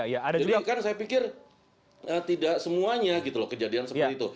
jadi kan saya pikir tidak semuanya gitu loh kejadian seperti itu